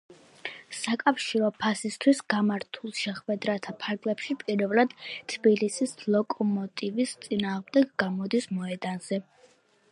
საკავშირო თასისთვის გამართულ შეხვედრათა ფარგლებში პირველად თბილისის „ლოკომოტივის“ წინააღმდეგ გამოდის მოედანზე.